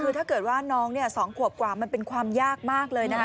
คือถ้าเกิดว่าน้อง๒ขวบกว่ามันเป็นความยากมากเลยนะคะ